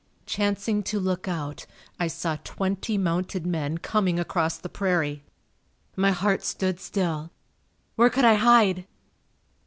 Chancing to look out I saw twenty mounted men coming across the prairie. My heart stood still. Where could I hide?